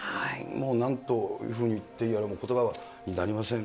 なんというふうに言っていいやら、ことばになりません。